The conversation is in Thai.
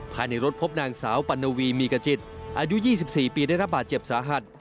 ภายในรถพบนางสาวปัณวีมีกระจิตอายุ๒๔ปีได้รับบาดเจ็บสาหัส